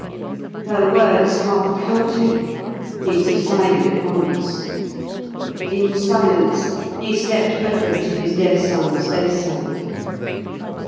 Her words half cowed him. He subsided at once. In silence he stepped over to his dead son's bedside.